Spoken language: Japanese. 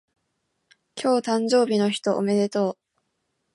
今日誕生日の人おめでとう